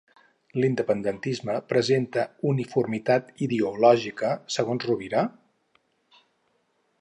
L'independentisme presenta uniformitat ideològica, segons Rovira?